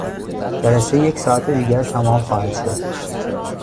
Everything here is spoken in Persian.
جلسه یک ساعت دیگر تمام خواهد شد.